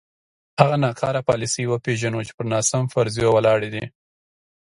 هغه ناکاره پالیسۍ وپېژنو چې پر ناسم فرضیو ولاړې دي.